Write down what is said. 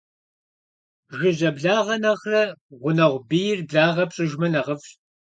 Жыжьэ благъэ нэхърэ гъунэгъу бийр благъэ пщIыжмэ, нэхъыфIщ.